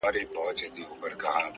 مرغه نه سي څوک یوازي په هګیو!!